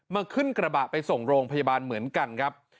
ขึ้นกระบะไปส่งโรงพยาบาลเหมือนกันครับ